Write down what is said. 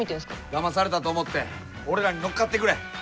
だまされたと思って俺らに乗っかってくれ！